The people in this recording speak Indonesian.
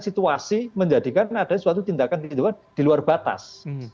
situasi menjadikan ada suatu tindakan tindakan di luar batas